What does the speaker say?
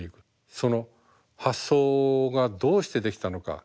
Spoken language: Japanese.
その発想がどうしてできたのか。